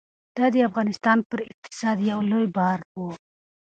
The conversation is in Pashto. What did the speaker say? دا د افغانستان پر اقتصاد یو لوی بار و.